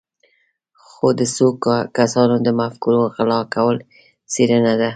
خو د څو کسانو د مفکورو غلا کول څېړنه ده.